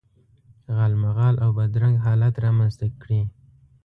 غالمغال او بد رنګ حالت رامنځته کړي.